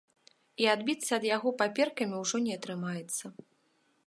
І адбіцца ад яго паперкамі ўжо не атрымаецца.